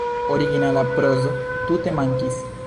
Originala prozo tute mankis.